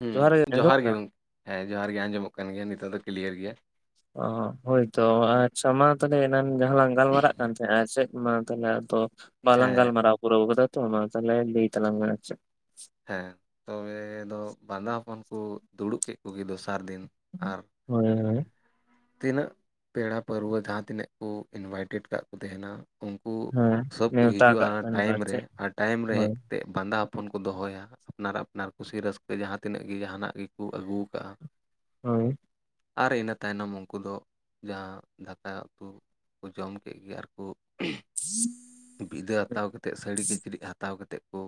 ᱦᱩᱸ ᱡᱚᱦᱟᱨ ᱜᱮ ᱜᱚᱝᱠᱮ, ᱦᱮᱸ ᱡᱚᱦᱟᱨ ᱜᱮ, ᱟᱸᱡᱚᱢᱚᱜ ᱠᱟᱱ ᱜᱮᱭᱟ ᱱᱤᱛᱚᱜ ᱫᱚ ᱠᱞᱤᱭᱟᱨ ᱜᱮᱭᱟ᱾ ᱚ ᱦᱳᱭᱛᱚ ᱟᱪᱷᱟ ᱢᱟ ᱛᱟᱦᱚᱞᱮ, ᱮᱱᱟᱝ ᱡᱟᱦᱟᱸ ᱞᱟᱝ ᱜᱟᱞᱢᱟᱨᱟᱜ ᱠᱟᱱ ᱛᱟᱦᱮᱸᱼᱟ ᱢᱟ ᱛᱟᱞᱦᱮ ᱟᱫᱚ, ᱵᱟᱞᱟᱝ ᱦᱮᱸ ᱜᱟᱞᱢᱟᱨᱟᱣ ᱯᱩᱨᱟᱹᱣ ᱟᱠᱟᱫᱟ ᱛᱚ ᱢᱟ ᱛᱟᱦᱚᱞᱮ ᱞᱟᱹᱭ ᱛᱟᱞᱟᱝ ᱢᱮ ᱟᱨ ᱪᱮᱫ ᱦᱮᱸ ᱛᱚᱵᱮ ᱫᱚ ᱵᱟᱸᱫᱟ ᱦᱚᱯᱚᱱ ᱠᱚ ᱫᱩᱲᱩᱵ ᱠᱮᱫ ᱠᱚᱜᱮ ᱫᱚᱥᱟᱨ ᱫᱤᱱ ᱟᱨ ᱦᱳᱭ ᱦᱳᱭ ᱛᱤᱱᱟᱹᱜ ᱯᱮᱲᱟ ᱯᱟᱹᱨᱣᱟᱹ ᱡᱟᱦᱟᱸ ᱛᱤᱱᱟᱹᱜ ᱠᱚ ᱤᱱᱵᱷᱟᱭᱴᱮᱰ ᱟᱠᱟᱫ ᱠᱚ ᱛᱟᱦᱮᱱᱟ ᱩᱱᱠᱩ ᱦᱮᱸ ᱥᱚᱵ ᱠᱩ ᱱᱮᱣᱛᱟ ᱦᱤᱡᱩᱜᱼᱟ ᱠᱟᱜ ᱚᱱᱟ ᱛᱟᱦᱮᱱ ᱠᱚ ᱴᱟᱭᱤᱢ ᱨᱮ ᱪᱮᱫ ᱟᱨ ᱴᱟᱭᱤᱢ ᱨᱮ ᱦᱮᱡ ᱦᱳᱭ ᱠᱟᱛᱮᱫ ᱵᱟᱸᱫᱟ ᱦᱚᱯᱚᱱ ᱠᱚ ᱫᱚᱦᱚᱭᱟ, ᱟᱯᱱᱟᱨ ᱟᱯᱱᱟᱨ ᱠᱩᱥᱤ ᱨᱟᱹᱥᱠᱟᱹ ᱡᱟᱦᱟᱸ ᱛᱤᱱᱟᱹᱜ ᱜᱮ ᱡᱟᱦᱟᱱᱟᱜ ᱜᱮᱠᱚ ᱟᱹᱜᱩ ᱟᱠᱟᱫᱼᱟ᱾ ᱦᱳᱭ ᱟᱨ ᱤᱱᱟᱹ ᱛᱟᱭᱱᱚᱢ ᱩᱱᱠᱩ ᱫᱚ ᱡᱟᱦᱟᱸ ᱫᱟᱠᱟ ᱩᱛᱩ ᱠᱚ ᱡᱚᱢ ᱠᱮᱫ ᱜᱮ ᱟᱨ ᱠᱚ ᱦᱮᱸ ᱵᱤᱫᱟᱹ ᱦᱟᱛᱟᱣ ᱠᱟᱛᱮᱫ, ᱥᱟᱹᱲᱤ ᱠᱤᱪᱨᱤᱡ ᱦᱟᱛᱟᱣ ᱠᱟᱛᱮᱫ ᱠᱚ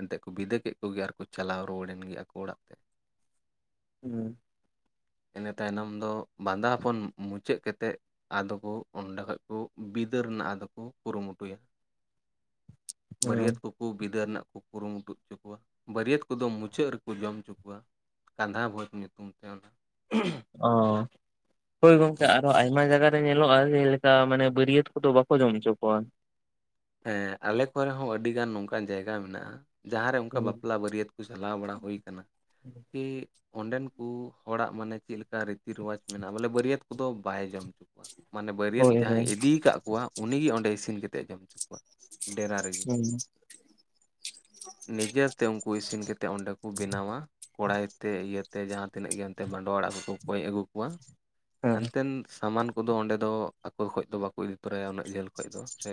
ᱮᱱᱛᱮᱫ ᱠᱚ ᱵᱤᱫᱟᱹᱭ ᱠᱮᱫ ᱠᱚᱜᱮ, ᱟᱨᱠᱚ ᱪᱟᱞᱟᱣ ᱨᱩᱣᱟᱹᱲᱮᱱ ᱜᱮ ᱟᱠᱚ ᱚᱲᱟᱜ ᱛᱮ᱾ ᱦᱩᱸ ᱤᱱᱟᱹ ᱛᱟᱭᱱᱚᱢ ᱫᱚ ᱵᱟᱸᱫᱟ ᱦᱚᱯᱚᱱ ᱢᱩᱪᱟᱹᱫ ᱠᱟᱛᱮᱫ ᱟᱫᱚ ᱠᱚ ᱚᱸᱰᱮ ᱠᱷᱚᱡ ᱠᱚ ᱵᱤᱫᱟᱹ ᱨᱮᱱᱟᱜ ᱟᱫᱚ ᱠᱚ ᱠᱩᱨᱩᱢᱩᱴᱩᱭᱟ᱾ [inaudible] ᱵᱟᱹᱨᱭᱟᱹᱛ ᱠᱩ ᱵᱤᱫᱟᱹ ᱨᱮᱱᱟᱜ ᱠᱚ ᱠᱩᱨᱩᱢᱩᱴᱩ ᱦᱚᱪᱚ ᱠᱚᱣᱟ ᱵᱟᱹᱨᱤᱭᱟᱹᱛ ᱠᱚᱫᱚ ᱢᱩᱪᱟᱹᱫ ᱨᱮᱠᱚ ᱡᱚᱢ ᱦᱚᱪᱚ ᱠᱚᱣᱟ᱾ ᱠᱟᱸᱫᱷᱟ ᱵᱷᱳᱡ ᱧᱩᱛᱩᱢ ᱛᱮ ᱚᱱᱟ᱾ ᱚ ᱦᱳᱭ ᱜᱚᱢᱠᱮ, ᱟᱨᱚ ᱟᱭᱢᱟ ᱡᱟᱭᱜᱟ ᱧᱮᱞᱚᱜᱼᱟ ᱡᱮᱞᱮᱠᱟ ᱢᱟᱱᱮ ᱵᱟᱹᱨᱭᱟᱹᱛ ᱠᱚᱫᱚ ᱵᱟᱠᱚ ᱡᱚᱢ ᱦᱚᱪᱚ ᱠᱚᱣᱟ᱾ ᱦᱮᱸ ᱟᱞᱮ ᱠᱚᱨᱮ ᱦᱚᱸ ᱟᱹᱰᱤ ᱜᱟᱱ ᱱᱚᱝᱠᱟᱱ ᱡᱟᱭᱜᱟ ᱢᱮᱱᱟᱜᱼᱟ᱾ ᱡᱟᱦᱟᱸᱨᱮ ᱚᱱᱠᱟ ᱦᱳᱭ ᱵᱟᱯᱞᱟ ᱵᱟᱹᱨᱭᱟᱹᱛ ᱠᱚ ᱪᱟᱞᱟᱣ ᱵᱟᱲᱟ ᱦᱩᱭ ᱟᱠᱟᱱᱟ, ᱠᱤ ᱚᱸᱰᱮᱱ ᱠᱚ ᱦᱚᱲᱟᱜ ᱢᱟᱱᱮ ᱪᱮᱫ ᱞᱮᱠᱟ ᱨᱤᱛᱤ ᱨᱮᱣᱟᱡᱽ ᱢᱮᱱᱟᱜᱼᱟ, ᱵᱚᱞᱮ ᱵᱟᱹᱨᱭᱟᱹᱛ ᱠᱚᱫᱚ ᱵᱟᱭ ᱡᱚᱢ ᱦᱚᱪᱚ ᱠᱚᱣᱟ ᱢᱟᱱᱮ ᱵᱟᱹᱨᱭᱟᱹᱛ ᱦᱳᱭ ᱦᱮᱸ ᱡᱟᱦᱟᱸᱭ ᱤᱫᱤ ᱟᱠᱟᱫ ᱠᱚᱣᱟ ᱩᱱᱤ ᱜᱮ ᱚᱸᱰᱮ ᱤᱥᱤᱱ ᱠᱟᱛᱮᱫ ᱡᱚᱢ ᱦᱚᱪᱚ ᱠᱚᱣᱟ᱾ ᱰᱮᱨᱟ ᱨᱮᱜᱮ᱾ [inaudible] ᱱᱤᱡᱮᱛᱮ ᱩᱱᱠᱩ ᱤᱥᱤᱱ ᱠᱟᱛᱮᱫ ᱚᱸᱰᱮ ᱠᱚ ᱵᱮᱱᱟᱣᱟ᱾ ᱠᱚᱲᱟᱭ ᱛᱮ ᱤᱭᱟᱹᱛᱮ ᱡᱟᱦᱟᱸ ᱛᱤᱱᱟᱹᱜ ᱜᱮ ᱮᱱᱛᱮ ᱢᱟᱰᱣᱟ ᱚᱲᱟᱜ ᱠᱚᱠᱚ ᱠᱚᱭ ᱟᱹᱜᱩ ᱠᱚᱣᱟ᱾ ᱦᱮᱸ ᱮᱱᱛᱮᱱ ᱥᱟᱢᱟᱱ ᱠᱚᱫᱚ ᱚᱸᱰᱮ ᱫᱚ ᱟᱠᱚ ᱠᱷᱚᱡ ᱫᱚ ᱵᱟᱠᱚ ᱤᱫᱤ ᱛᱚᱨᱟᱭᱟ ᱩᱱᱟᱹᱜ ᱡᱷᱟᱹᱞ ᱠᱷᱚᱡ ᱫᱚ ᱥᱮ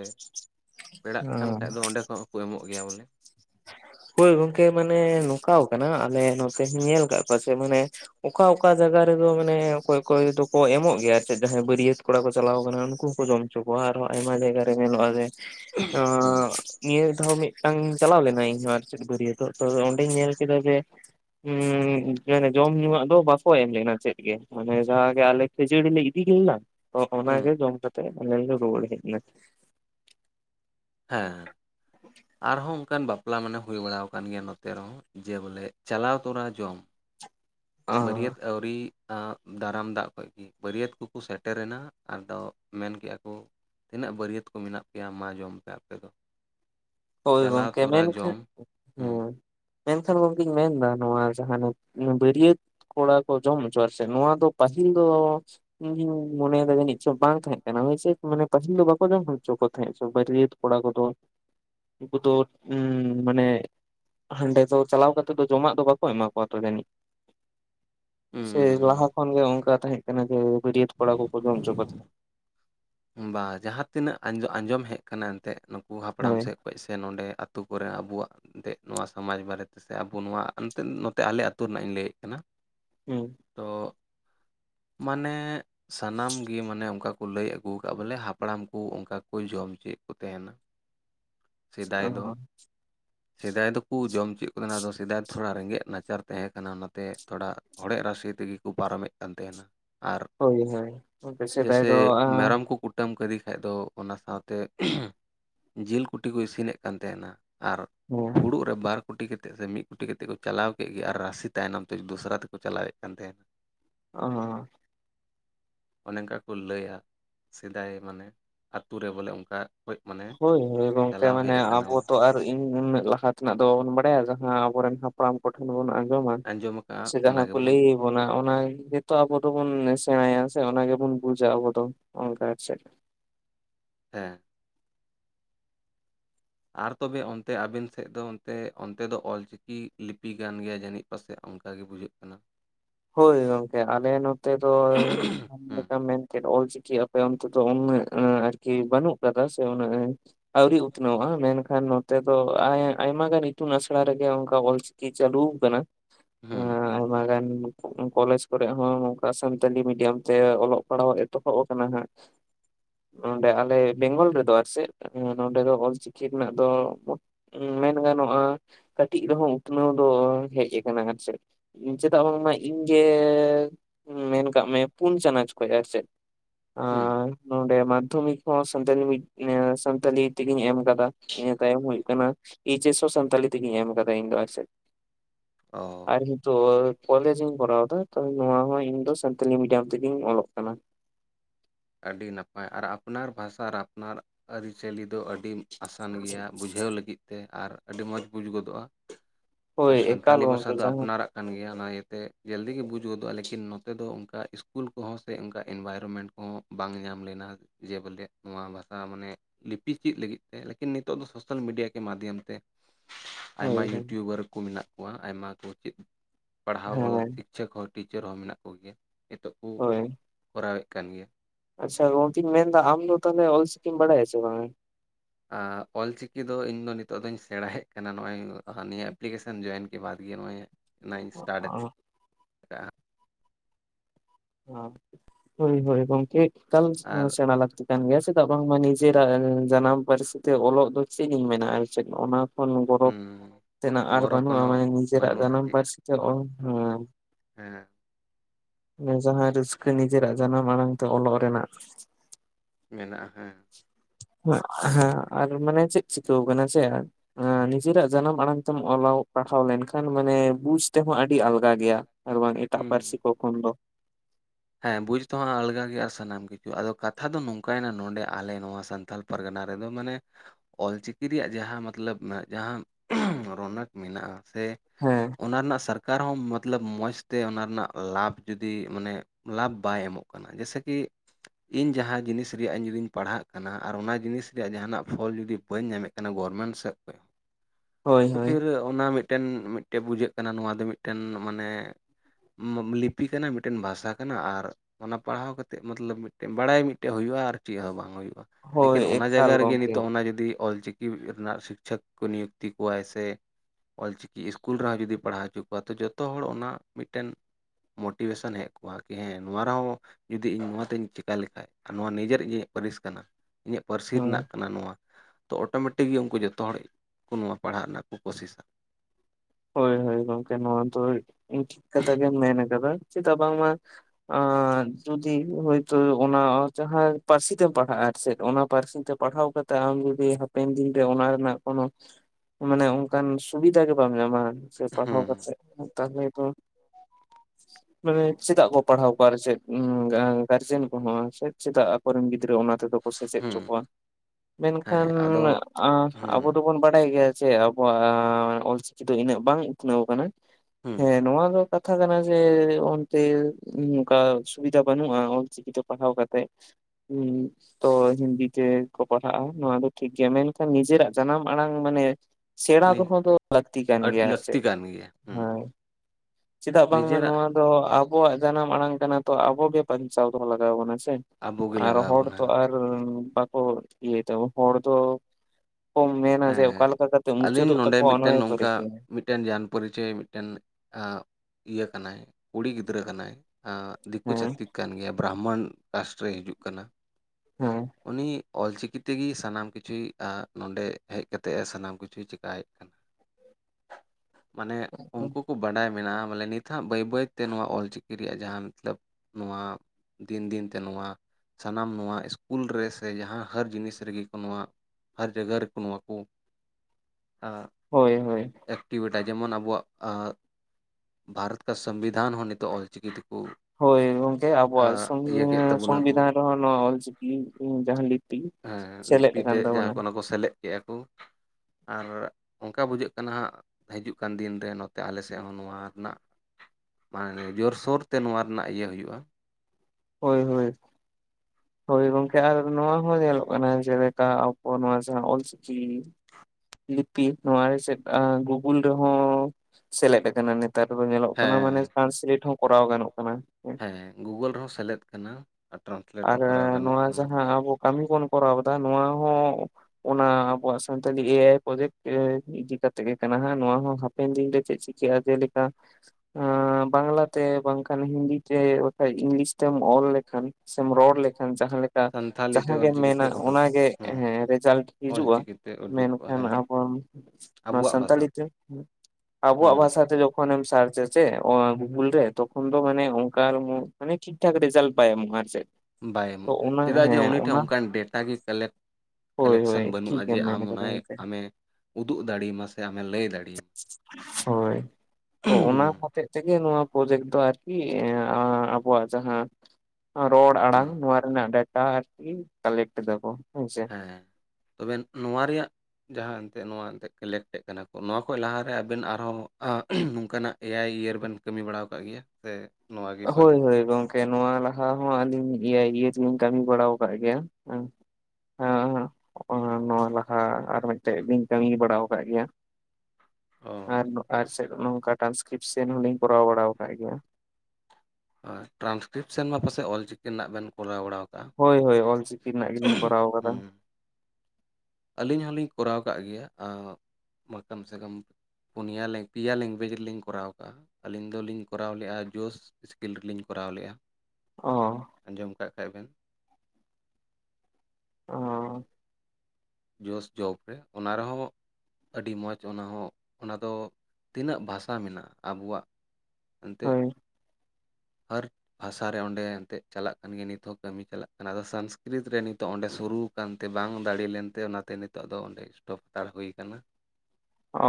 ᱯᱮᱲᱟᱜ ᱠᱟᱱ ᱚ ᱠᱷᱟᱡ ᱫᱚ ᱚᱸᱰᱮ ᱠᱷᱚᱱ ᱦᱚᱸ ᱠᱚ ᱮᱢᱚᱜ ᱜᱮᱭᱟ ᱵᱚᱞᱮ᱾ ᱦᱳᱭ ᱜᱚᱝᱠᱮ ᱢᱟᱱᱮ ᱱᱚᱝᱠᱟᱣ ᱠᱟᱱᱟ ᱟᱞᱮ ᱱᱚᱛᱮᱧ ᱧᱮᱞ ᱟᱠᱟᱫ ᱠᱚᱣᱟ ᱥᱮ ᱢᱟᱱᱮ, ᱚᱠᱟ ᱚᱠᱟ ᱡᱟᱭᱜᱟ ᱨᱮᱫᱚ ᱢᱟᱱᱮ ᱚᱠᱚᱭ ᱚᱠᱚᱭ ᱫᱚᱠᱚ ᱮᱢᱚᱜ ᱜᱮᱭᱟ, ᱟᱨ ᱪᱮᱫ ᱡᱟᱦᱟᱸᱭ ᱵᱟᱹᱨᱭᱟᱹᱛ ᱠᱚᱲᱟ ᱠᱚ ᱪᱟᱞᱟᱣ ᱟᱠᱟᱱᱟ ᱩᱱᱠᱩ ᱠᱚ ᱡᱚᱢ ᱦᱚᱪᱚ ᱠᱚᱣᱟ ᱟᱨᱦᱚᱸ ᱟᱭᱢᱟ ᱡᱟᱭᱜᱟ ᱨᱮ ᱱᱚᱣᱟ ᱜᱮ ᱦᱩᱸ ᱚᱸᱜᱻ ᱱᱤᱭᱟᱹ ᱫᱷᱟᱣ ᱢᱤᱫᱴᱟᱝ ᱪᱟᱞᱟᱣ ᱞᱮᱱᱟ ᱧ ᱦᱚᱸ ᱟᱨ ᱵᱟᱹᱨᱭᱟᱹᱛᱚᱜ ᱛᱚ ᱚᱸᱰᱮᱧ ᱧᱮᱞ ᱠᱮᱫᱟ ᱡᱮ, ᱩᱸᱜ ᱡᱚᱢ ᱧᱩᱣᱟᱜ ᱫᱚ ᱵᱟᱠᱚ ᱮᱢ ᱞᱮᱱᱟ ᱪᱮᱫ ᱜᱮ ᱢᱟᱱᱮ, ᱡᱟᱜᱮ ᱟᱞᱮ ᱠᱷᱟᱹᱡᱟᱹᱲᱤ ᱞᱮ ᱤᱫᱤ ᱠᱮᱫᱟ ᱛᱚ ᱦᱩᱸ ᱚᱱᱟᱜᱮ ᱡᱚᱢ ᱠᱟᱛᱮ ᱟᱞᱮ ᱞᱮ ᱨᱩᱣᱟᱹᱲ ᱦᱮᱡ ᱮᱱᱟ᱾ ᱦᱮᱸ ᱟᱨᱦᱚᱸ ᱚᱱᱠᱟᱱ ᱵᱟ ᱵᱟᱯᱞᱟ ᱢᱟᱱᱮ ᱦᱩᱭ ᱵᱟᱲᱟ ᱟᱠᱟᱱ ᱜᱮᱭᱟ ᱱᱚᱛᱮ ᱨᱮᱦᱚᱸ ᱡᱮ ᱵᱚᱞᱮ ᱪᱟᱞᱟᱣ ᱛᱚᱨᱟ ᱡᱚᱢ᱾ ᱵᱟᱹᱨᱭᱟᱹᱛ ᱟᱹᱣᱨᱤ, ᱟᱸᱜ ᱫᱟᱨᱟᱢ ᱫᱟᱜ ᱠᱷᱚᱡ ᱜᱮ ᱵᱟᱹᱨᱭᱟᱹᱛ ᱠᱚᱠᱚ ᱥᱮᱴᱮᱨᱮᱱᱟ ᱟᱫᱚ ᱢᱮᱱ ᱠᱮᱜᱼᱟ ᱠᱚ ᱛᱤᱱᱟᱹᱜ ᱵᱟᱹᱨᱭᱟᱹᱛ ᱠᱚ ᱢᱮᱱᱟᱜ ᱯᱮᱭᱟ ᱢᱟ ᱡᱚᱢ ᱯᱮ ᱟᱯᱮ ᱫᱚ ᱦᱳᱭ ᱪᱟᱞᱟᱣ ᱜᱚᱝᱠᱮ ᱛᱚᱨᱟ ᱢᱮᱱᱠᱷᱟᱱ ᱡᱚᱢ ᱦᱩᱸ ᱦᱮᱸ ᱢᱮᱱᱠᱷᱟᱱ ᱜᱚᱝᱠᱮᱧ ᱢᱮᱱ ᱮᱫᱟ ᱱᱚᱣᱟ ᱡᱟᱦᱟᱸᱱᱟᱜ ᱵᱟᱹᱨᱭᱟᱹᱛ ᱠᱚᱲᱟ ᱠᱚ ᱡᱚᱢ ᱦᱚᱪᱚ ᱟᱨ ᱥᱮ ᱱᱚᱶᱟ ᱫᱚ ᱯᱟᱹᱦᱤᱞ ᱫᱚ ᱤᱧ ᱢᱚᱱᱮᱭᱮᱫᱟ ᱡᱟᱹᱱᱤᱡ ᱪᱚᱝ ᱵᱟᱝ ᱛᱟᱦᱮᱸ ᱠᱟᱱᱟ ᱦᱚᱳᱭ ᱪᱮ ᱢᱟᱱᱮ ᱯᱟᱹᱦᱤᱞ ᱫᱚ ᱵᱟᱠᱚ ᱡᱚᱢ ᱦᱚ ᱦᱚᱪᱚ ᱠᱚ ᱛᱟᱦᱮᱸᱪᱚ [unintelligible] ᱠᱚᱲᱟ ᱠᱚᱫᱚ ᱩᱱᱠᱩ ᱫᱚ ᱩᱸ ᱢᱟᱱᱮ ᱦᱟᱸᱰᱮ ᱫᱚ ᱪᱟᱞᱟᱣ ᱠᱟᱛᱮᱫ ᱫᱚ ᱡᱚᱢᱟᱜ ᱫᱚ ᱵᱟᱠᱚ ᱮᱢᱟ ᱠᱚᱣᱟ ᱛᱚ ᱡᱟᱹᱱᱤᱡ? ᱥᱮ ᱞᱟᱦᱟ ᱠᱷᱚᱱ ᱜᱮ ᱚᱱᱠᱟ ᱛᱟᱦᱮᱸᱠᱟᱱᱟ ᱡᱮ ᱵᱟᱹᱨᱤᱭᱟᱹᱛ ᱠᱚᱲᱟ ᱠᱚᱠᱚ ᱡᱚᱢ ᱦᱚᱪᱚ ᱠᱚᱣᱟ ᱛᱟᱦᱮᱸ ᱵᱟᱸ ᱡᱟᱦᱟᱸ ᱛᱤᱱᱟᱹᱜ ᱟᱸ ᱟᱸᱡᱚᱢ ᱦᱮᱡ ᱟᱠᱟᱱᱟ ᱮᱱᱛᱮᱫ ᱱᱩᱠᱩ ᱦᱟᱯᱲᱟᱢ ᱦᱳᱭ ᱥᱮᱫ ᱠᱚᱭ ᱥᱮ ᱱᱚᱸᱰᱮ ᱟᱛᱳ ᱠᱚᱨᱮᱱ ᱟᱵᱳᱣᱟᱜ ᱮᱱᱛᱮᱜ ᱱᱚᱣᱟ ᱥᱟᱢᱟᱡᱽ ᱵᱟᱨᱮ ᱛᱮ ᱥᱮ ᱟᱵᱚ ᱱᱚᱣᱟ ᱮᱱ ᱱᱚᱛᱮ ᱟᱞᱮ ᱟᱹᱛᱩ ᱨᱮᱱᱟᱜ ᱤᱧ ᱞᱟᱹᱭᱮᱫ ᱠᱟᱱᱟ ᱦᱮᱸ ᱛᱚᱜ ᱢᱟᱱᱮᱜ ᱥᱟᱱᱟᱢ ᱜᱮ ᱢᱟᱱᱮ ᱚᱱᱠᱟ ᱠᱚ ᱞᱟᱹᱭᱮᱫ ᱟᱹᱜᱩ ᱟᱠᱟᱫᱼᱟ ᱵᱚᱞᱮ ᱦᱟᱯᱲᱟᱢ ᱠᱚ ᱚᱱᱠᱟ ᱠᱚ ᱡᱚᱢ ᱪᱚᱭᱮᱫ ᱠᱚ ᱛᱟᱦᱮᱱᱟ᱾ ᱚ ᱥᱮᱫᱟᱭ ᱫᱚ [inaudible] ᱥᱮᱫᱟᱭ ᱫᱚᱠᱚ ᱡᱚᱢ ᱦᱚᱪᱚᱭᱮᱫ ᱠᱚ ᱛᱟᱦᱮᱱᱟ ᱟᱫᱚ ᱥᱮᱫᱟᱭ ᱫᱚ ᱛᱷᱚᱲᱟ ᱨᱮᱸᱜᱮᱡ ᱱᱷᱟᱪᱟᱨ ᱛᱟᱦᱮᱸ ᱠᱟᱱᱟ ᱚᱱᱟᱛᱮ ᱛᱷᱚᱲᱟ ᱦᱚᱲᱮᱜ ᱨᱟᱥᱮ ᱛᱮᱜᱮ ᱠᱚ ᱯᱟᱨᱚᱢᱮᱫ ᱠᱟᱱ ᱛᱟᱦᱮᱱᱟ᱾ ᱟᱨ ᱦᱳᱭ ᱦᱳᱭ ᱥᱮᱫᱟᱭ ᱫᱚ ᱟᱸ ᱩᱱᱠᱩ ᱠᱩᱴᱟᱹᱢ ᱠᱮᱫᱮ ᱠᱷᱟᱡ ᱫᱚ ᱚᱱᱟ ᱥᱟᱶᱛᱮ ᱡᱤᱞ ᱠᱩᱴᱤ ᱠᱳ ᱤᱥᱤᱱᱮᱫ ᱠᱟᱱ ᱛᱟᱦᱮᱱᱟ ᱟᱨ ᱦᱩᱸ ᱯᱷᱩᱲᱩᱜ ᱨᱮ ᱵᱟᱨ ᱠᱩᱴᱤ ᱠᱟᱛᱮᱫ ᱥᱮ ᱢᱤᱫ ᱨᱮ [unintelligible] ᱨᱮ ᱠᱩᱴᱤ ᱠᱟᱛᱮᱫ ᱠᱚ ᱪᱟᱞᱟᱣ ᱠᱮᱫ ᱜᱮ ᱟᱨ ᱨᱟᱥᱤ ᱛᱟᱭᱱᱚᱢ ᱛᱮ ᱫᱚᱥᱨᱟ ᱛᱮᱠᱚ ᱪᱟᱞᱟᱣᱮᱫ ᱠᱟᱱ ᱛᱟᱦᱮᱱᱟ᱾ ᱳ ᱚᱱᱮ ᱚᱱᱠᱟ ᱠᱚ ᱞᱟᱹᱭᱟ᱾ ᱥᱮᱫᱟᱭ ᱢᱟᱱᱮ ᱟᱛᱳ ᱨᱮ ᱵᱚᱞᱮ ᱚᱱᱠᱟ ᱠᱷᱚᱡ ᱢᱟᱱᱮ ᱦᱳᱭ ᱦᱳᱭ ᱜᱚᱝᱠᱮ ᱪᱟᱞᱟᱣ ᱦᱮᱡ ᱢᱟᱱᱮ ᱟᱠᱟᱱᱟ ᱟᱵᱚ ᱵᱚᱞᱮ ᱛᱚ ᱟᱨ ᱤᱧ ᱩᱱᱟᱹᱜ ᱞᱟᱦᱟ ᱛᱮᱱᱟᱜ ᱫᱚ ᱵᱟᱵᱚᱱ ᱵᱟᱲᱟᱭᱟ ᱡᱟᱦᱟᱸ ᱟᱵᱚᱨᱮᱱ ᱦᱟᱯ ᱦᱟᱯᱲᱟᱢ ᱠᱚᱴᱷᱮᱱ ᱵᱚᱱ ᱟᱸᱡᱚᱢᱟ ᱟᱸᱡᱚᱢ ᱟᱠᱟᱜᱼᱟ ᱥᱮ ᱚᱱᱟ ᱡᱟᱦᱟᱸ ᱠᱚ ᱜᱮᱵᱚᱱ ᱞᱟᱹᱭ ᱚᱱᱟ ᱚᱱᱟ ᱜᱮᱛᱚ ᱟᱵᱚ ᱫᱚᱵᱚᱱ ᱥᱮᱬᱟᱭᱟ ᱥᱮ ᱚᱱᱟ ᱜᱮᱵᱚᱱ ᱵᱩᱡᱷᱟ ᱟᱵᱚ ᱫᱚ ᱚᱱᱠᱟ ᱪᱮᱫ ᱦᱮᱸ ᱟᱨ ᱛᱚᱵᱮ ᱚᱱᱛᱮ ᱟᱵᱮᱱ ᱥᱮᱫ ᱫᱚᱱ ᱚᱱᱛᱮ ᱫᱚ ᱚᱞ ᱪᱤᱠᱤ ᱞᱤᱯᱤ ᱠᱟᱱ ᱜᱮᱭᱟ ᱡᱟᱹᱱᱤᱡ ᱯᱟᱥᱮᱡ ᱚᱱᱠᱟ ᱜᱮ ᱵᱩᱡᱷᱟᱹᱜ ᱠᱟᱱᱟ ᱦᱳᱭ ᱜᱚᱝᱠᱮ ᱟᱞᱮ ᱱᱚᱛᱮ ᱫᱚ ᱦᱩᱸ ᱞᱮᱠᱟ ᱢᱮᱱ ᱚᱞ ᱪᱤᱠᱤ ᱟᱯᱮ ᱚᱱᱛᱮ ᱫᱚ ᱩᱱᱟᱹᱜ ᱟᱨᱠᱤ ᱵᱟᱹᱱᱩᱜ ᱠᱟᱫᱟ ᱥᱮ ᱩᱱᱟᱹᱜ ᱮᱸ ᱟᱹᱣᱨᱤ ᱩᱛᱱᱟᱹᱣᱼᱟ ᱢᱮᱱᱠᱷᱟᱱ ᱱᱚᱛᱮ ᱫᱚ ᱟᱭᱢᱟ ᱜᱟᱱ ᱤᱛᱩᱱ ᱟᱥᱲᱟ ᱨᱮᱜᱮ ᱚᱱᱠᱟ ᱚᱞᱪᱤᱠᱤ ᱠᱤ ᱪᱟᱹᱞᱩᱣ ᱟᱠᱟᱱᱟ ᱦᱩᱸ ᱟᱭᱢᱟ ᱜᱟᱱ ᱠᱚᱞᱮᱡᱽ ᱠᱚᱨᱮᱜ ᱦᱚᱸ ᱱᱚᱝᱠᱟ ᱥᱟᱱᱛᱟᱞᱤ ᱢᱤᱰᱤᱭᱟᱢ ᱛᱮ ᱚᱞᱚᱜ ᱯᱟᱲᱦᱟᱜ ᱮᱛᱚᱦᱚᱵ ᱟᱠᱟᱱᱟ ᱦᱟᱸᱜ ᱱᱚᱸᱰᱮ ᱟᱞᱮ ᱵᱮᱝᱜᱚᱞ ᱨᱮᱫᱚ ᱟᱨ ᱪᱮᱫ ᱱᱚᱸᱰᱮ ᱫᱚ ᱚᱞᱪᱤᱠᱤ ᱨᱮᱱᱟᱜ ᱫᱚ ᱢᱮᱱ ᱜᱟᱱᱚᱜᱼᱟ ᱠᱟᱹᱴᱤᱡ ᱨᱮᱦᱚᱸ ᱩᱛᱱᱟᱹᱣ ᱫᱚ ᱦᱮᱡ ᱟᱠᱟᱱᱟ ᱟᱨ ᱪᱮᱫ ᱪᱮᱫᱟᱜ ᱵᱟᱝᱢᱟ ᱤᱧ ᱜᱮ ᱢᱮᱱ ᱠᱟᱜ ᱢᱮ ᱯᱩᱱ ᱪᱟᱱᱟᱪ ᱠᱷᱚᱡ ᱟᱨ ᱪᱮᱫ ᱦᱩᱸ ᱟᱨ ᱢᱟᱫᱽᱫᱷᱚᱢᱤᱠ ᱦᱚᱸ ᱥᱟᱱᱛᱤ ᱥᱟᱱᱛᱟᱞᱤ ᱛᱮᱜᱮᱧ ᱮᱢ ᱟᱠᱟᱫᱟ ᱤᱱᱟᱹ ᱛᱟᱭᱚᱢ ᱦᱳᱭᱳᱜ ᱠᱟᱱᱟ ᱮᱪ ᱮᱥ ᱦᱚᱸ ᱥᱟᱱᱛᱟᱞᱤ ᱛᱮᱜᱤᱧ ᱮᱢ ᱠᱟᱫᱟ ᱤᱧ ᱫᱚ ᱟᱨ ᱥᱮᱫ ᱳ ᱦᱮᱛᱩ ᱠᱚᱞᱮᱡᱽ ᱤᱧ ᱠᱚᱨᱟᱣ ᱮᱫᱟ ᱛᱚ ᱱᱚᱶᱟ ᱦᱚᱸ ᱤᱧ ᱫᱚ ᱥᱟᱱᱛᱟᱞᱤ ᱢᱤᱰᱤᱭᱟᱢ ᱛᱮᱜᱮᱧ ᱚᱞᱚᱜ ᱠᱟᱱᱟ᱾ ᱟᱹᱰᱤ ᱱᱟᱯᱟᱭ ᱟᱨ ᱟᱯᱱᱟᱨ ᱵᱷᱟᱥᱟ ᱟᱨ ᱟᱯᱱᱟᱨ ᱟᱹᱨᱤᱪᱟᱹᱞᱤ ᱫᱚ ᱟᱹᱰᱤ ᱟᱥᱟᱱ ᱜᱮᱭᱟ ᱵᱩᱡᱷᱟᱹᱣ ᱞᱟᱹᱜᱤᱫ ᱛᱮ ᱟᱨ ᱟᱹᱰᱤ ᱢᱚᱸᱡᱽ ᱵᱩᱡᱽ ᱜᱚᱫᱚᱜᱼᱟ᱾ ᱟᱨ ᱦᱳᱭ ᱮᱠᱟᱞ ᱥᱟᱱᱛᱟᱞᱤ ᱵᱷᱟᱥᱟ ᱜᱚᱝᱠᱮ ᱫᱚ ᱡᱟᱦᱟᱸ ᱟᱯᱱᱟᱨᱟᱜ ᱠᱟᱱ ᱜᱮᱭᱟ ᱚᱱᱟ ᱤᱭᱟᱹᱛᱮ ᱡᱚᱞᱫᱤ ᱜᱮ ᱵᱩᱡᱽ ᱜᱚᱫᱚᱜᱼᱟ ᱞᱮᱠᱤᱱ ᱱᱚᱛᱮ ᱫᱚ ᱚᱱᱠᱟ ᱤᱥᱠᱩᱞ ᱠᱚᱦᱚᱸ ᱥᱮ ᱚᱱᱠᱟ ᱤᱱᱵᱟᱭᱨᱚᱢᱮᱱᱴ ᱠᱚᱦᱚᱸ ᱵᱟᱝ ᱧᱟᱢ ᱞᱮᱱᱟ ᱡᱮ ᱵᱚᱞᱮ ᱱᱚᱣᱟ ᱵᱷᱟᱥᱟ ᱢᱟᱱᱮ ᱞᱤᱯᱤ ᱪᱮᱫ ᱞᱟᱹᱜᱤᱫ ᱛᱮ ᱞᱮᱠᱤᱱ ᱱᱤᱛᱚᱜ ᱫᱚ ᱥᱳᱥᱟᱞ ᱢᱤᱰᱤᱭᱟ ᱠᱮ ᱢᱟᱫᱷᱭᱟᱢ ᱛᱮ ᱦᱳᱭ ᱟᱭᱢᱟ ᱦᱳᱭ ᱤᱭᱩᱴᱩᱭᱩᱵᱟᱨ ᱠᱚ ᱢᱮᱱᱟᱜ ᱠᱚᱣᱟ ᱟᱭᱢᱟ ᱠᱚ ᱪᱮᱫ ᱯᱟᱲᱦᱟᱣ ᱵᱟᱞᱟ ᱦᱮᱸ ᱥᱤᱠᱪᱚᱠ ᱦᱚᱸ ᱴᱤᱪᱟᱨ ᱦᱚᱸ ᱢᱮᱱᱟᱜ ᱠᱚᱜᱮᱭᱟ ᱱᱤᱛᱚᱜ ᱠᱚ ᱦᱳᱭ ᱠᱚᱨᱟᱣᱮᱫ ᱠᱟᱱ ᱜᱮᱭᱟ ᱟᱪᱪᱷᱟ ᱜᱚᱝᱠᱮᱧ ᱢᱮᱱᱫᱟ ᱟᱢ ᱫᱚ ᱛᱟᱦᱚᱞᱮ ᱚᱞᱪᱤᱠᱤᱢ ᱵᱟᱲᱟᱭᱟ ᱥᱮ ᱵᱟᱝᱟ? ᱟᱜ ᱚᱞᱪᱤᱠᱤ ᱫᱚ ᱤᱧ ᱫᱚ ᱱᱤᱛᱚᱜ ᱫᱚᱧ ᱥᱮᱸᱲᱟᱭᱮᱫ ᱠᱟᱱᱟ ᱱᱚᱜᱼᱚᱭ ᱱᱤᱭᱟᱹ ᱮᱯᱞᱤᱠᱮᱥᱚᱱ ᱡᱚᱭᱮᱱ ᱠᱮ ᱵᱟᱫ ᱜᱮ ᱱᱚᱜᱼᱚᱭ ᱚᱱᱟᱧ ᱤᱥᱴᱟᱴ ᱟᱠᱟᱜᱼᱟ ᱦᱚᱸ ᱦᱳᱭ ᱦᱳᱭ ᱜᱚᱢᱠᱮ ᱮᱠᱟᱞ ᱜᱮ ᱟᱨ ᱥᱮᱸᱲᱟ ᱞᱟᱠᱛᱤ ᱠᱟᱱ ᱜᱮᱭᱟ ᱪᱮᱫᱟᱜ ᱵᱟᱝᱢᱟ ᱱᱤᱡᱮᱨᱟᱜ ᱡᱟᱱᱟᱢ ᱯᱟᱹᱨᱥᱤ ᱛᱮ ᱚᱞᱚᱜ ᱫᱚ ᱪᱮᱫ ᱤᱧ ᱢᱮᱱᱟ ᱟᱨ ᱪᱮᱫ ᱚᱱᱟ ᱜᱚᱨᱚᱵ ᱦᱩᱸ ᱛᱮᱱᱟᱜ ᱟᱨ ᱜᱚᱨᱚᱵᱽ ᱠᱳᱱᱳ ᱵᱟᱹᱱᱩᱜᱼᱟ ᱡᱮ ᱱᱤᱡᱮᱨᱟᱜ ᱵᱟᱹᱱᱩᱜᱼᱟ ᱡᱟᱱᱟᱢ ᱪᱮᱫ ᱯᱟᱹᱨᱥᱤ ᱛᱮ ᱚᱞ ᱦᱮᱸ ᱦᱮᱸ ᱡᱟᱦᱟᱸ ᱨᱟᱹᱥᱠᱟᱹ ᱱᱤᱡᱮᱨᱟᱜ ᱡᱟᱱᱟᱢ ᱟᱲᱟᱝ ᱛᱮ ᱚᱞᱚᱜ ᱨᱮᱱᱟᱜ ᱢᱮᱱᱟᱜᱼᱟ ᱦᱮᱸ ᱦᱮᱸ ᱟᱨ ᱢᱟᱱᱮ ᱪᱮᱫ ᱪᱤᱠᱟᱹᱣ ᱠᱟᱱᱟ ᱥᱮ ᱦᱮᱸ ᱱᱤᱡᱮᱨᱟᱜ ᱡᱟᱱᱟᱢ ᱟᱲᱟᱝ ᱛᱮᱢ ᱚᱞᱚᱜ ᱯᱟᱲᱦᱟᱣ ᱞᱮᱱᱠᱷᱟᱱ ᱢᱟᱱᱮ ᱵᱩᱡ ᱛᱮᱦᱚᱸ ᱟᱹᱰᱤ ᱟᱞᱜᱟ ᱜᱮᱭᱟ ᱟᱨ ᱵᱟᱝ ᱮᱴᱟᱜ ᱦᱩᱸ ᱯᱟᱹᱨᱥᱤ ᱠᱚ ᱠᱷᱚᱱ ᱫᱚ ᱦᱮᱸ ᱵᱩᱡᱽ ᱛᱮᱦᱚᱸ ᱟᱞᱜᱟ ᱜᱮᱭᱟ ᱥᱟᱱᱟᱢ ᱠᱤᱪᱷᱩ ᱟᱫᱚ ᱠᱟᱛᱷᱟ ᱫᱚ ᱱᱚᱝᱠᱟᱭᱱᱟ ᱱᱚᱰᱮ ᱟᱞᱮ ᱱᱚᱣᱟ ᱥᱟᱱᱛᱟᱞ ᱯᱟᱨᱜᱟᱱᱟ ᱨᱮᱫᱚ ᱢᱟᱱᱮ ᱚᱞᱪᱤᱠᱤ ᱨᱮᱭᱟᱜ ᱡᱟᱦᱟᱸ ᱢᱚᱛᱞᱚᱵ ᱡᱟᱦᱟᱸ ᱨᱚᱱᱟᱠ ᱢᱮᱱᱟᱜᱼᱟ ᱥᱮ ᱦᱮᱸ ᱚᱱᱟ ᱨᱮᱱᱟᱜ ᱥᱚᱨᱠᱟᱨ ᱦᱚᱸ ᱢᱚᱛᱞᱚᱵ ᱢᱚᱡᱽ ᱛᱮ ᱚᱱᱟ ᱨᱮᱱᱟᱜ ᱞᱟᱵᱷ ᱡᱩᱫᱤ ᱢᱟᱱᱮ ᱞᱟᱵᱷ ᱵᱟᱭ ᱮᱢᱚᱜ ᱠᱟᱱᱟ ᱡᱮᱭᱥᱮ ᱠᱤ ᱤᱧ ᱡᱟᱦᱟᱸ ᱡᱤᱱᱤᱥ ᱨᱮᱭᱟᱜ ᱤᱧ ᱡᱩᱫᱤᱧ ᱯᱟᱲᱦᱟᱜ ᱠᱟᱱᱟ ᱟᱨ ᱚᱱᱟ ᱡᱤᱱᱤᱥ ᱨᱮᱭᱟᱜ ᱡᱟᱦᱟᱱᱟᱜ ᱯᱷᱚᱞ ᱡᱩᱫᱤ ᱵᱟᱹᱧ ᱧᱟᱢᱮᱫ ᱠᱟᱱᱟ ᱜᱚᱨᱢᱮᱱᱴ ᱥᱮᱫ ᱠᱷᱚᱡ ᱦᱳᱭ ᱛᱚ ᱦᱳᱭ ᱯᱷᱤᱨ ᱚᱱᱟ ᱢᱤᱫᱴᱮᱱ ᱢᱤᱫᱴᱮᱱ ᱵᱩᱡᱷᱟᱹᱜ ᱠᱟᱱᱟ ᱱᱚᱣᱟ ᱫᱚ ᱢᱤᱫᱴᱮᱱ ᱢᱟᱱᱮ ᱞᱤᱯᱤ ᱠᱟᱱᱟ ᱢᱤᱫᱴᱮᱱ ᱵᱷᱟᱥᱟ ᱠᱟᱱᱟ ᱟᱨ ᱚᱱᱟ ᱯᱟᱲᱦᱟᱣ ᱠᱟᱛᱮᱫ ᱢᱚᱛᱞᱚᱵ ᱢᱤᱫᱴᱮᱱ ᱵᱟᱲᱟᱭ ᱢᱤᱫᱴᱮᱡ ᱦᱩᱭᱩᱜᱼᱟ ᱟᱨ ᱪᱮᱫ ᱦᱚᱸ ᱵᱟᱝ ᱦᱩᱭᱩᱜᱼᱟ ᱦᱳᱭ ᱞᱮᱠᱤᱱ ᱚᱱᱟ ᱮᱠᱟᱞ ᱡᱟᱭᱜᱟ ᱨᱮᱜᱮ ᱜᱚᱝᱠᱮ ᱱᱤᱛᱚᱜ ᱚᱱᱟ ᱡᱩᱫᱤ ᱚᱞᱪᱤᱠᱤ ᱨᱮᱱᱟᱜ ᱥᱤᱠᱥᱚᱠ ᱠᱚ ᱱᱤᱭᱩᱠᱛᱤ ᱠᱚᱣᱟᱭ ᱥᱮ ᱚᱞᱪᱤᱠᱤ ᱤᱥᱠᱩᱞ ᱨᱮᱦᱚᱸ ᱡᱩᱫᱤ ᱯᱟᱲᱦᱟᱣ ᱦᱚᱪᱚ ᱠᱚᱣᱟ ᱛᱚ ᱡᱚᱛᱚ ᱦᱚᱲ ᱚᱱᱟ ᱢᱤᱫᱴᱮᱱ ᱢᱳᱴᱤᱵᱷᱮᱥᱚᱱ ᱦᱮᱡ ᱠᱤ ᱦᱮᱸ ᱱᱚᱣᱟ ᱨᱮᱦᱚᱸ ᱡᱩᱫᱤ ᱤᱧ ᱱᱚᱣᱟᱛᱤᱧ ᱪᱤᱠᱟ ᱞᱮᱠᱷᱟᱡ ᱱᱚᱣᱟ ᱱᱤᱡᱮᱨᱟᱜ ᱜᱮ ᱯᱟᱹᱨᱤᱥ ᱠᱟᱱᱟ ᱤᱧᱟᱹᱜ ᱯᱟᱹᱨᱥᱤ ᱦᱮᱸ ᱨᱮᱱᱟᱜ ᱠᱟᱱᱟ ᱱᱚᱣᱟ ᱛᱚ ᱚᱴᱳᱢᱮᱴᱤᱠ ᱜᱮ ᱩᱱᱠᱩ ᱡᱚᱛᱚ ᱦᱚᱲ ᱠᱚ ᱱᱚᱣᱟ ᱯᱟᱲᱦᱟᱜ ᱨᱮᱱᱟᱜ ᱠᱚ ᱠᱚᱥᱤᱥᱟ ᱦᱳᱭ ᱦᱳᱭ ᱜᱚᱝᱠᱮ ᱱᱚᱣᱟ ᱫᱚ ᱴᱷᱤᱠ ᱠᱟᱛᱷᱟ ᱜᱮᱢ ᱢᱮᱱ ᱟᱠᱟᱫᱟ ᱪᱮᱫᱟᱜ ᱵᱟᱝᱢᱟ ᱟᱸᱜ ᱡᱩᱫᱤ ᱦᱳᱭᱛᱳ ᱚᱱᱟ ᱡᱟᱦᱟᱸ ᱯᱟᱹᱨᱥᱤ ᱛᱮᱢ ᱯᱟᱲᱦᱟᱜᱼᱟ ᱟᱨ ᱪᱮᱫ ᱚᱱᱟ ᱯᱟᱹᱨᱥᱤ ᱛᱮ ᱯᱟᱲᱦᱟᱣ ᱠᱟᱛᱮᱫ ᱟᱢ ᱡᱩᱫᱤ ᱦᱟᱯᱮᱱ ᱫᱤᱱ ᱨᱮ ᱚᱱᱟ ᱨᱮᱱᱟᱜ ᱠᱳᱱᱚ ᱢᱟᱱᱮ ᱚᱱᱠᱟᱱ ᱥᱩᱵᱤᱫᱷᱟ ᱜᱮ ᱵᱟᱢ ᱧᱟᱢᱟ ᱥᱮ ᱯᱟᱲᱦᱟᱣ ᱦᱩᱸ ᱠᱟᱛᱮᱫ ᱛᱟᱦᱚᱞᱮ ᱫᱚ ᱢᱟᱱᱮ ᱪᱮᱫᱟᱜ ᱠᱚ ᱯᱟᱲᱦᱟᱣ ᱠᱚᱣᱟ ᱟᱨ ᱪᱮᱫ ᱜᱟᱨᱡᱮᱱ ᱠᱚᱦᱚᱸ ᱥᱮ ᱪᱮᱫᱟᱜ ᱟᱠᱚᱨᱮᱱ ᱜᱤᱫᱽᱨᱟᱹ ᱚᱱᱟ ᱛᱮᱫᱚ ᱠᱚ ᱥᱮᱪᱮᱫ ᱦᱚᱪᱚ ᱦᱩᱸ ᱠᱚᱣᱟ ᱢᱮᱱᱠᱷᱟᱱ ᱦᱮᱸ ᱟᱫᱚ ᱟᱸ ᱟᱵᱚ ᱦᱩᱸ ᱫᱚᱵᱚᱱ ᱵᱟᱲᱟᱭ ᱜᱮᱭᱟ ᱡᱮ ᱟᱵᱚᱣᱟᱜ ᱚᱞᱪᱤᱠᱤ ᱫᱚ ᱤᱱᱟᱹᱜ ᱵᱟᱝ ᱩᱛᱱᱟᱹᱣ ᱟᱠᱟᱱᱟ ᱦᱩᱸ ᱦᱮᱸ ᱱᱚᱣᱟ ᱫᱚ ᱠᱟᱛᱷᱟ ᱠᱟᱱᱟ ᱡᱮ ᱚᱱᱛᱮ ᱚᱱᱠᱟ ᱥᱩᱵᱤᱫᱷᱟ ᱵᱟᱹᱱᱩᱜᱼᱟ ᱚᱞᱪᱤᱠᱤ ᱛᱮ ᱯᱟᱲᱦᱟᱣ ᱠᱟᱛᱮᱜ ᱦᱩᱸ ᱛᱚ ᱦᱤᱱᱫᱤ ᱛᱮᱠᱚ ᱯᱟᱲᱦᱟᱜ-ᱟ ᱱᱚᱣᱟ ᱫᱚ ᱴᱷᱤᱠ ᱜᱮᱭᱟ ᱢᱮᱱ ᱱᱤᱡᱮᱨᱟᱜ ᱡᱟᱱᱟᱢ ᱟᱲᱟᱝ ᱢᱟᱱᱮ ᱥᱮᱬᱟ ᱫᱚᱦᱚᱸ ᱫᱚ ᱞᱟᱠ ᱟᱹᱰ ᱞᱟᱹᱠᱛᱤ ᱠᱟᱱ ᱜᱮᱭᱟ ᱦᱩᱸ᱾ ᱪᱮᱫᱟᱜ ᱵᱟᱝᱢᱟ ᱱᱚᱣᱟ ᱫᱚ ᱟᱵᱚᱣᱟᱜ ᱡᱟᱱᱟᱢ ᱟᱲᱟᱝ ᱠᱟᱱᱟ ᱛᱚ ᱟᱵᱚᱜᱮ ᱵᱟᱧᱪᱟᱣ ᱫᱚᱦᱚ ᱞᱟᱜᱟᱣ ᱵᱚᱱᱟ ᱥᱮ, ᱟᱵᱚᱜᱮ ᱟᱨ ᱞᱟᱜᱟᱣ ᱦᱚᱲ ᱵᱚᱱᱟ ᱫᱚ ᱟᱨ ᱵᱟᱠᱚ ᱤᱭᱟᱹᱭ ᱛᱟ ᱦᱚᱲ ᱫᱚ ᱠᱚ ᱢᱮᱱᱟ ᱡᱮ ᱚᱠᱟ ᱦᱮᱸ ᱞᱮᱠᱟ ᱠᱟᱛᱮᱜ ᱢᱩᱪᱟᱹᱫᱚᱜ ᱛᱟᱠᱚᱣᱟ ᱚᱱᱟ ᱜᱮ ᱠᱚ ᱨᱤᱠᱟᱹᱭᱟ᱾ ᱴᱮᱱ ᱡᱟᱱ ᱯᱚᱨᱤᱪᱚᱭ ᱢᱤᱜᱴᱮᱱ ᱤᱭᱟᱹ ᱠᱟᱱᱟᱭ ᱠᱩᱲᱤ ᱜᱤᱫᱽᱨᱟᱹ ᱠᱟᱱᱟᱭ ᱫᱤᱠᱩ ᱦᱮᱸ ᱪᱷᱟᱛᱤᱠ ᱠᱟᱱ ᱜᱮᱭᱟ ᱵᱨᱟᱦᱢᱚᱱ ᱠᱟᱥᱴᱨᱮᱭ ᱦᱤᱡᱩᱜ ᱠᱟᱱᱟ᱾ ᱦᱩᱸ ᱩᱱᱤ ᱚᱞᱪᱤᱠᱤ ᱛᱤᱜᱤ ᱥᱟᱱᱟᱢ ᱠᱤᱪᱷᱩᱭ ᱱᱚᱰᱮ ᱦᱮᱡ ᱠᱟᱛᱮᱜ ᱮ ᱥᱟᱱᱟᱢ ᱠᱤᱪᱷᱩᱭ ᱪᱤᱠᱟᱭᱮᱜ ᱠᱟᱱᱟ ᱢᱟᱱᱮ ᱩᱝᱠᱩ ᱠᱩ ᱵᱟᱰᱟᱭ ᱢᱮᱱᱟᱜ-ᱟ ᱵᱚᱞᱮ ᱱᱤᱛ ᱦᱟᱸᱜ ᱵᱟᱹᱭ ᱵᱟᱹᱭᱛᱮ ᱱᱚᱣᱟ ᱚᱞᱪᱤᱠᱤ ᱨᱮᱭᱟᱜ ᱡᱟᱦᱟᱸ ᱢᱤᱛᱞᱟᱹᱵ ᱱᱚᱣᱟ ᱫᱤᱱ ᱫᱤᱱᱛᱮ ᱱᱚᱣᱟ ᱥᱟᱱᱟᱢ ᱱᱚᱣᱟ ᱤᱥᱠᱩᱞ ᱨᱮ ᱥᱮ ᱡᱟᱸᱦᱟᱸ ᱦᱟᱹᱨ ᱡᱤᱱᱤᱥ ᱨᱮᱜᱤ ᱠᱚ ᱱᱚᱣᱟ ᱦᱟᱨ ᱡᱟᱸᱜᱟ ᱨᱮᱠᱩ ᱱᱚᱣᱟ ᱠᱩ ᱦᱳᱭ ᱦᱳᱭ ᱮᱠᱴᱤᱵᱮᱴᱟ ᱡᱮᱢᱚᱱ ᱟᱵᱚᱣᱟᱜ ᱵᱷᱟᱨᱚᱛ ᱠᱟ ᱥᱚᱝᱵᱤᱫᱷᱟᱱ ᱦᱚᱸ ᱱᱤᱛᱚᱜ ᱚᱞᱪᱤᱠᱤ ᱛᱮᱠᱩ ᱦᱳᱭ ᱜᱚᱝᱠᱮ ᱟᱵᱚᱣᱟᱜ ᱥᱚᱝ ᱛᱟᱵᱚᱱᱟ ᱠᱚ ᱥᱚᱝᱵᱤᱫᱷᱟᱱ ᱨᱮᱦᱚᱸ ᱱᱚᱣᱟ ᱚᱞᱪᱤᱠᱤ ᱡᱟᱦᱟᱸ ᱞᱤ ᱦᱮᱸ ᱞᱤᱯᱤᱛᱮᱜ ᱡᱟᱸᱦᱟᱸ ᱠᱚ ᱚᱱᱟ ᱠᱚ ᱥᱮᱞᱮᱫ ᱠᱮᱜ-ᱟ ᱠᱩ ᱟᱨ ᱚᱝᱠᱟ ᱵᱩᱡᱷᱟᱹᱜ ᱠᱟᱱᱟ ᱦᱟᱸᱜ ᱦᱤᱡᱩᱜ ᱠᱟᱱ ᱫᱤᱱᱨᱮ ᱱᱚᱛᱮ ᱟᱞᱮ ᱥᱮᱜ ᱦᱚᱸ ᱱᱚᱣᱟ ᱱᱟᱜ ᱢᱟᱱᱮ ᱡᱳᱨᱥᱳᱨᱛᱮ ᱱᱚᱣᱟ ᱨᱮᱱᱟᱜ ᱤᱭᱟᱹ ᱦᱩᱭᱩᱜ-ᱟ ᱦᱳᱭ ᱦᱳᱭ ᱦᱳᱭ ᱜᱚᱝᱠᱮ ᱟᱨ ᱱᱚᱣᱟ ᱦᱚᱸ ᱧᱮᱞᱚᱜ ᱠᱟᱱᱟ ᱡᱮᱞᱮᱠᱟ ᱟᱵᱚ ᱱᱚᱣᱟ ᱡᱟᱸᱦᱟᱸ ᱚᱞᱪ ᱪᱤ ᱞᱤᱯᱤ ᱱᱚᱣᱟ ᱨᱤᱥᱮᱴ ᱜᱩᱜᱩᱞ ᱨᱮᱦᱚᱸ ᱥᱮᱞᱮᱫ ᱟᱠᱟᱱᱟ ᱱᱮ ᱛᱟᱨ ᱫᱚ ᱧᱮᱞᱚᱜ ᱠᱟᱱᱟ ᱦᱮᱸ ᱢᱟᱱᱮ ᱴᱟᱱᱥᱞᱮᱴ ᱦᱚᱸ ᱠᱚᱨᱟᱣ ᱜᱟᱱᱚᱜ ᱠᱟᱱᱟ᱾ ᱦᱮᱸ ᱜᱩᱜᱳᱞ ᱨᱮᱦᱚᱸ ᱥᱮᱞᱮᱫ ᱠᱟᱱᱟ᱾ ᱟᱨ ᱴᱨᱟᱱᱥᱞᱮᱴ ᱟᱨ ᱦᱚᱸ ᱠᱚᱨᱟᱣ ᱜᱟᱱᱚᱜ ᱱᱚᱣᱟ ᱠᱟᱱᱟ ᱡᱟᱦᱟᱸ ᱟᱵᱚ ᱠᱟᱢᱤ ᱵᱚᱱ ᱠᱚᱨᱟᱣ ᱫᱟ ᱱᱚᱣᱟ ᱦᱚᱸ ᱚᱱᱟ ᱟᱵᱚᱣᱟᱜ ᱥᱟᱱᱛᱟᱞᱤ ᱮ ᱟᱭ ᱯᱨᱚᱡᱮᱠᱴ ᱤᱫᱤ ᱠᱟᱛᱮᱜ ᱜᱮ ᱠᱟᱱᱟ ᱦᱟᱸᱜ ᱱᱚᱣᱟ ᱦᱚᱸ ᱦᱟ ᱯᱮᱱᱫᱤᱝ ᱨᱮ ᱪᱮᱜ ᱪᱤᱠᱟᱹᱜ-ᱟ ᱡᱮᱞᱮᱠᱟ ᱵᱟᱝᱞᱟᱛᱮ ᱵᱟᱝᱠᱷᱟᱱ ᱦᱤᱱᱫᱤ ᱛᱮ ᱵᱟᱠᱷᱟᱡ ᱤᱝᱞᱤᱥ ᱛᱮᱢ ᱚᱞ ᱞᱮᱠᱷᱟᱱ ᱥᱮᱢ ᱨᱚᱲ ᱞᱮᱠᱷᱟᱱ ᱡᱟᱦᱟᱸ ᱞᱮᱠ ᱠᱟ ᱥᱟᱱᱛᱷᱟᱞᱤ ᱛᱮ ᱡᱟᱦᱟᱸ ᱜᱮᱢ ᱢᱮᱱᱟ ᱚᱞᱪᱤᱠᱤᱛᱮ ᱚᱱᱟᱜ ᱩᱰᱩᱠᱚᱜ ᱜᱮ ᱦᱮᱸ ᱨᱮᱡᱟᱞᱴ ᱦᱤᱡᱩᱜ-ᱟ ᱚᱞᱪᱤᱠᱤᱛᱮ ᱩᱰᱩᱠᱚᱜᱼᱟ ᱢᱮᱱᱠᱷᱟᱱ ᱦᱮᱸ ᱟᱵᱚ ᱱᱚᱣᱟ ᱟᱵᱚᱣᱟᱜ ᱥᱟᱱᱛᱟᱲᱤ ᱵᱷᱟᱥᱟᱛᱮ ᱛᱮ ᱟᱵᱚᱣᱟᱜ ᱦᱮᱸ ᱵᱷᱟᱥᱟ ᱛᱮ ᱡᱚ ᱠᱷᱚᱱᱮᱢ ᱥᱟᱨᱪ ᱟᱪᱮ ᱜᱩᱜᱩᱞ ᱨᱮ ᱛᱚᱠᱷᱚᱱ ᱫᱚ ᱢᱟᱱᱮ ᱚᱝᱠᱟ ᱴᱷᱤᱠ ᱴᱷᱟᱠ ᱨᱮᱡᱟᱞᱴ ᱵᱟᱭ ᱮᱢᱚᱜ-ᱟ ᱟᱨ ᱪᱮᱫ᱾ ᱵᱟᱭ ᱛᱚ ᱮᱢᱚᱜ-ᱟ ᱚᱱᱟ ᱪᱮᱫᱟᱜ ᱡᱮ ᱦᱮᱸ ᱩᱱᱤ ᱴᱷᱮᱱ ᱚᱱᱟ ᱚᱝᱠᱟᱱ ᱰᱮᱴᱟ ᱜᱮ ᱠᱟᱞᱮᱠᱴ ᱦᱳᱭ ᱠᱟᱞᱮᱠᱥᱮᱱ ᱦᱳᱭ ᱵᱟᱹᱱᱩᱜ-ᱟ ᱴᱷᱤᱠᱮᱢ ᱡᱮ ᱢᱮᱱ ᱟᱢ ᱠᱟᱫᱟ ᱚᱱᱟᱭ ᱜᱚᱝᱠᱮ ᱟᱢᱮ ᱩᱫᱩᱜ ᱫᱟᱲᱤᱭᱢᱟ ᱥᱮ ᱟᱢᱮ ᱞᱟᱹᱭ ᱫᱟᱲᱤᱭᱢᱟ᱾ ᱦᱳᱭ ᱛᱚ ᱚᱱᱟ ᱦᱚᱛᱮᱡ ᱛᱮᱜᱮ ᱱᱚᱣᱟ ᱯᱨᱚᱡᱮᱠᱴ ᱫᱚ ᱟᱨᱠᱤ ᱟᱵᱚᱣᱟᱜ ᱡᱟᱦᱟᱸ ᱨᱚᱲ ᱟᱲᱟᱝ ᱱᱚᱣᱟ ᱨᱮᱱᱟᱜ ᱰᱮᱴᱟ ᱟᱨᱠᱤ ᱠᱟᱞᱮᱠᱴ ᱮᱫᱟᱠᱚ᱾ ᱦᱮᱸ ᱛᱚᱵᱮ ᱱᱚᱣᱟ ᱨᱮᱭᱟᱜ ᱡᱟᱦᱟᱸ ᱮᱱᱛᱮᱜ ᱱᱚᱣᱟ ᱮᱱᱛᱮᱜ ᱠᱟᱞᱮᱠᱴᱮᱜ ᱠᱟᱱᱟ ᱠᱚ ᱱᱚᱣᱟ ᱠᱷᱚᱱ ᱞᱟᱦᱟᱨᱮ ᱟᱵᱮᱱ ᱟᱨᱦᱚᱸ ᱱᱚᱝᱠᱟ ᱱᱟᱜ ᱮᱭᱟᱭ ᱤᱭᱟᱹ ᱨᱮᱵᱮᱱ ᱠᱟᱹᱢᱤ ᱵᱟᱲᱟᱣ ᱠᱟᱜ ᱜᱮᱭᱟ ᱥᱮ ᱱᱚᱣᱟ ᱜᱮ ᱦᱳᱭ ᱯᱟᱹᱦᱤᱞ ᱦᱳᱭ ᱜᱚᱝᱠᱮ ᱱᱚᱣᱟ ᱞᱟᱦᱟ ᱦᱚᱸ ᱟᱞᱤᱧ ᱮ ᱟᱤ ᱤᱭᱟᱹ ᱛᱮᱞᱤᱧ ᱠᱟᱹᱢᱤ ᱵᱟᱲᱟᱣ ᱠᱟᱜ ᱜᱮᱭᱟ ᱦᱮᱸ, ᱦᱮᱸ ᱦᱮᱸ ᱱᱚᱣᱟ ᱞᱟᱦᱟ ᱟᱨ ᱢᱤᱫᱴᱮᱡ ᱞᱤᱧ ᱠᱟᱢᱤ ᱵᱟᱲᱟᱣ ᱠᱟᱜ ᱜᱮᱭᱟ, [inaudible] ᱚ ᱾ ᱟᱨ ᱟᱨ ᱪᱮᱫ ᱱᱚᱝᱠᱟ ᱴᱨᱟᱱᱥᱠᱨᱤᱯᱥᱮᱱ ᱦᱚᱞᱤᱧ ᱠᱚᱨᱟᱣ ᱵᱟᱲᱟᱣ ᱟᱠᱟᱜ ᱜᱮᱭᱟ ᱾ ᱟ ᱴᱨᱟᱱᱥᱠᱨᱤᱯᱥᱟᱹᱱ ᱢᱟ ᱯᱟᱥᱮᱡ ᱚᱞᱪᱤᱠᱤ ᱨᱮᱱᱟᱜ ᱵᱮᱱ ᱠᱚᱨᱟᱣ ᱵᱟᱲᱟᱣ ᱦᱳᱭ ᱦᱳᱭ, ᱚᱞᱪᱤᱠᱤ ᱨᱮᱱᱟᱜ ᱜᱮᱞᱤᱧ ᱠᱚᱨᱟᱣ ᱠᱟᱫᱟ ᱦᱩᱸ ᱾ ᱟᱹᱞᱤᱧ ᱦᱚᱞᱤᱧ ᱠᱚᱨᱟᱣ ᱠᱟᱜ ᱜᱮᱭᱟ ᱟ ᱢᱟ ᱠᱟᱢ ᱥᱮ ᱠᱟᱢ ᱯᱳᱱᱭᱟ ᱯᱮᱝ ᱯᱮᱭᱟ ᱞᱮᱝᱜᱩᱭᱮᱡᱽ ᱨᱮᱞᱤᱧ ᱠᱚᱨᱟᱣ ᱠᱟᱜᱼᱟ, ᱟᱹᱞᱤᱧ ᱫᱚᱞᱤᱧ ᱠᱚᱨᱟᱣ ᱞᱮᱜᱼᱟ ᱡᱳᱥ ᱥᱠᱤᱞ ᱨᱮᱞᱤᱧ ᱠᱚᱨᱟᱣ ᱞᱮᱜᱼᱟ ᱾ ᱚ ᱾ ᱟᱸᱡᱚᱢ ᱠᱟᱜ ᱠᱷᱟᱡ ᱵᱮᱱ ᱾ ᱦᱚᱸ ᱾ ᱡᱳᱥ ᱡᱚᱵ ᱨᱮ ᱚᱱᱟ ᱨᱮᱦᱚᱸ ᱟᱹᱰᱤ ᱢᱚᱡᱽ ᱚᱱᱟ ᱦᱚᱸ ᱚᱱᱟ ᱫᱚ ᱛᱤᱱᱟᱹᱜ ᱵᱷᱟᱥᱟ ᱢᱮᱱᱟᱜᱼᱟ ᱟᱵᱚᱣᱟᱜ ᱮᱱᱛᱮ ᱦᱳᱭ ᱦᱹᱨ ᱵᱷᱟᱥᱟ ᱨᱮ ᱚᱸᱰᱮ ᱮᱱᱛᱚᱜ ᱪᱟᱞᱟᱜ ᱠᱟᱱ ᱜᱮ ᱱᱤᱛ ᱦᱚᱸ ᱠᱟᱹᱢᱤ ᱪᱟᱞᱟᱜ ᱠᱟᱱᱟ, ᱟᱫᱚ ᱥᱟᱹᱱᱥᱠᱤᱨᱤᱛ ᱨᱮ ᱱᱤᱛᱚᱜ ᱚᱸᱰᱮ ᱥᱩᱨᱩ ᱠᱟᱱ ᱛᱮ ᱵᱟᱝ ᱫᱟᱲᱮ ᱞᱮᱱ ᱛᱮ ᱚᱱᱟ ᱛᱮ ᱱᱤᱛᱚᱜ ᱫᱚ ᱚᱸᱰᱮ ᱮᱥᱴᱳᱯ ᱦᱟᱛᱟᱲ ᱦᱩᱭ ᱟᱠᱟᱱᱟ ᱾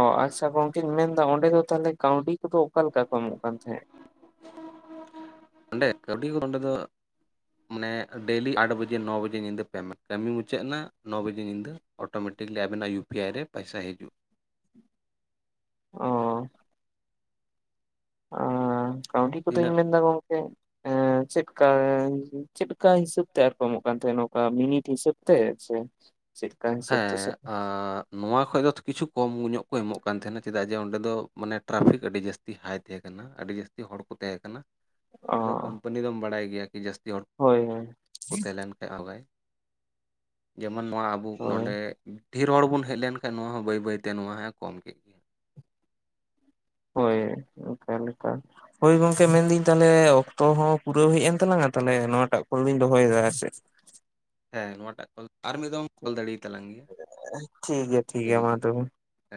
ᱚ ᱟᱪᱪᱷᱟ, ᱜᱚᱝᱠᱮ ᱢᱮᱱᱫᱟ ᱚᱸᱰᱮ ᱫᱚ ᱛᱟᱦᱚᱞᱮ ᱠᱟᱹᱣᱰᱤ ᱠᱚᱫᱚ ᱚᱠᱟ ᱞᱮᱠᱟ ᱠᱚ ᱮᱢᱚᱜ ᱠᱟᱱ ᱛᱟᱦᱮᱸᱫ? [inaudible] ᱚᱸᱰᱮ, ᱠᱟᱹᱣᱰᱤ ᱦᱚᱸ ᱚᱸᱵᱮ ᱫᱚ ᱢᱟᱱᱮ ᱰᱮᱞᱤ ᱟᱴ ᱵᱟᱡᱮ ᱱᱚ ᱵᱟᱡᱮ ᱧᱤᱫᱟᱹ ᱯᱮᱢᱮᱱᱴ ᱠᱟᱹᱢᱤ ᱢᱩᱪᱟᱹᱫ ᱮᱱᱟ ᱱᱚ ᱵᱟᱡᱮ ᱧᱤᱫᱟᱹ ᱚᱴᱳᱢᱮᱴᱤᱠᱞᱤ ᱟᱵᱮᱱᱟᱜ ᱭᱩ ᱯᱤ ᱟᱭ ᱨᱮ ᱯᱮᱭᱥᱟ ᱦᱤᱡᱩᱜ ᱚ ᱾ ᱟᱸ ᱠᱟᱹᱣᱰᱤ ᱠᱚᱫᱚᱧ ᱛᱤᱱᱟᱹᱜ ᱢᱮᱱᱫᱟ ᱜᱚᱝᱠᱮ ᱮᱸ ᱾ ᱪᱮᱫᱠᱟᱭ ᱪᱮᱫ ᱠᱟ ᱦᱤᱥᱟᱹᱵ ᱛᱮ ᱟᱨ ᱠᱚ ᱮᱢᱚᱜ ᱠᱟᱱ ᱛᱟᱦᱮᱸᱱᱟ ᱱᱚᱝᱠᱟ ᱢᱤᱱᱤᱴ ᱦᱤᱥᱟᱹᱵ ᱛᱮ ᱥᱮ [unintelligible] ᱛᱮ ᱦᱮᱸ ᱥᱮ ᱟᱻ ᱱᱚᱣᱟ ᱠᱷᱚᱡ ᱫᱚ ᱠᱤᱪᱷᱩ ᱠᱚᱢ ᱧᱚᱜ ᱠᱚ ᱮᱢᱚᱜ ᱠᱟᱱ ᱛᱟᱦᱮᱱᱟ, ᱪᱮᱫᱟᱜ ᱡᱮ ᱚᱸᱰᱮ ᱫᱚ ᱢᱟᱱᱮ ᱴᱨᱟᱯᱷᱤᱠ ᱟᱹᱰᱤ ᱡᱟᱹᱥᱛᱤ ᱦᱟᱭ ᱛᱟᱦᱮᱸ ᱠᱟᱱᱟ ᱾ ᱟᱹᱰᱤ ᱡᱟᱹᱥᱛᱤ ᱦᱚᱲ ᱠᱚ ᱛᱟᱦᱮᱸ ᱠᱟᱱᱟ ᱾ ᱚ ᱟᱫᱚ ᱠᱚᱢᱯᱟᱹᱱᱤ ᱫᱚᱢ ᱵᱟᱲᱟᱭ ᱜᱮᱭᱟ ᱠᱤ ᱡᱟᱹᱥᱛᱤ ᱦᱚᱲ ᱦᱳᱭ ᱦᱳᱭ ᱠᱚ ᱛᱟᱦᱮᱸ ᱞᱮᱱ ᱠᱷᱟᱡ ᱟᱜ ᱵᱟᱭ ᱡᱮᱢᱚᱱ ᱱᱚᱣᱟ ᱟᱵᱚ ᱦᱳᱭ ᱱᱚᱰᱮ ᱰᱷᱮᱨ ᱦᱚᱲ ᱵᱚᱱ ᱦᱮᱡ ᱞᱮᱱ ᱠᱷᱟᱱ ᱱᱚᱣᱟ ᱦᱚᱸ ᱵᱟᱹᱭ ᱵᱟᱹᱭᱛᱮ ᱱᱚᱣᱟ ᱦᱚᱸᱭ ᱠᱚᱢ ᱠᱮᱫ ᱜᱮ ᱾ ᱦᱳᱭ, ᱚᱱᱠᱟ ᱞᱮᱠᱟ ᱾ ᱦᱳᱭ ᱜᱚᱝᱠᱮ ᱢᱮᱱᱫᱟᱹᱧ ᱛᱟᱦᱚᱞᱮ ᱚᱠᱛᱚ ᱦᱚᱸ ᱯᱩᱨᱟᱹᱣ ᱦᱮᱡ ᱮᱱ ᱛᱟᱞᱟᱝᱟ ᱛᱟᱦᱚᱞᱮ ᱱᱚᱣᱟᱴᱟᱜ ᱠᱚᱞᱤᱧ ᱫᱚᱦᱚᱭᱮᱫᱟ ᱟᱨ ᱪᱮᱫ ᱾ ᱦᱮᱸ, ᱱᱚᱣᱟᱴᱟᱜ ᱠᱚᱞ ᱟᱨ ᱢᱤᱫ ᱫᱚᱢ ᱠᱚᱞ ᱫᱟᱲᱮᱭᱟ ᱛᱟᱞᱟᱝ ᱜᱮᱭᱟ ᱴᱷᱤᱠ ᱜᱮᱭᱟ ᱴᱷᱤᱠ ᱜᱮᱭᱟ ᱯᱷᱤᱨᱤ ᱢᱟ ᱜᱮ᱾ ᱛᱚᱵᱮ ᱦᱮᱸ